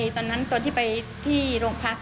ตอนนั้นตอนที่ไปที่โรงพักษณ์